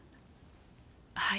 はい？